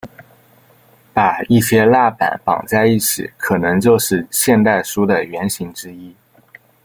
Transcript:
把一些蜡板绑在一起可能就是现代书的原型之一。